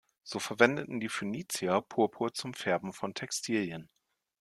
So verwendeten die Phönizier Purpur zum Färben von Textilien.